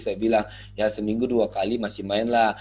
saya bilang ya seminggu dua kali masih main lah